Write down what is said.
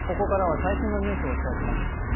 ここからは最新のニュースをお伝えします。